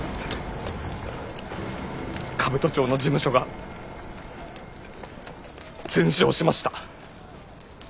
兜町の事務所が全焼しました。